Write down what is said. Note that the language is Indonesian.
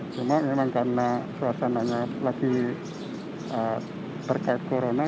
cuma memang karena suasananya lagi terkait corona